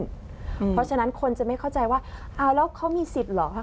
เพราะฉะนั้นคนจะไม่เข้าใจว่าเอาแล้วเขามีสิทธิ์เหรอคะ